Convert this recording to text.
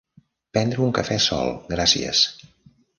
Prendre un cafè sol, gràcies.